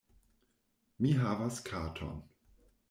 Mi havas katon.